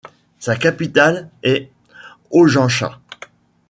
Sa capitale est Hojancha.